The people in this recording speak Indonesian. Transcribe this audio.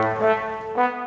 nih bolok ke dalam